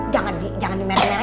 jangan di merah merahnya ya